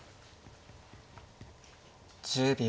１０秒。